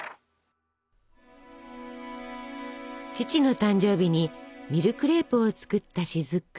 父の誕生日にミルクレープを作った雫。